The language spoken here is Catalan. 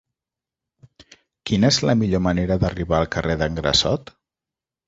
Quina és la millor manera d'arribar al carrer d'en Grassot?